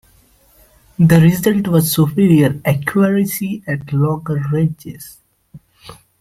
The result was superior accuracy at longer ranges.